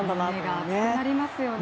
胸が熱くなりますよね。